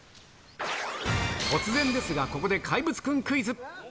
突然ですが、ここで怪物くんクイズ。